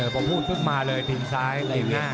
พอพูดพึ่งมาเลยทีมซ้ายทีมหน้า